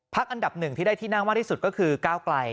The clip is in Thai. อันดับหนึ่งที่ได้ที่นั่งมากที่สุดก็คือก้าวไกล